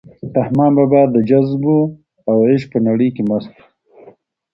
رحمان بابا د جذبو او عشق په نړۍ کې مست و.